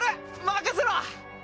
任せろ！